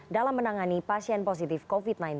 dalam menangani pasien positif covid sembilan belas